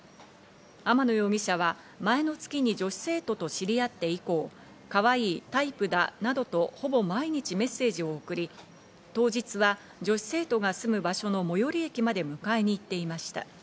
天野容疑者は前の月に女子生徒と知り合って以降、「かわいい、タイプだ」などと、ほぼ毎日メッセージを送り、当日は女子生徒が住む場所の最寄り駅まで迎えに行っていました。